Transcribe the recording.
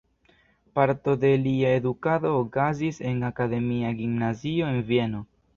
Parto de lia edukado okazis en Akademia Gimnazio en Vieno.